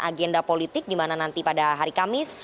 agenda politik dimana nanti pada hari kamis